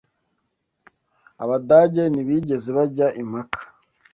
Abadage ntibigeze bajya impaka